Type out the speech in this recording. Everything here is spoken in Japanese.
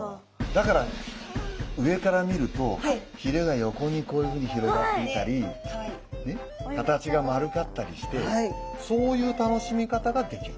だから上から見るとひれが横にこういうふうに広がっていたり形が丸かったりしてそういう楽しみ方ができる。